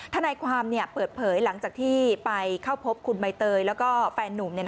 ทนายความเปิดเผยหลังจากที่ไปเข้าพบคุณใบเตยแล้วก็แฟนนุ่ม